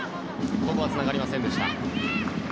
ここはつながりませんでした。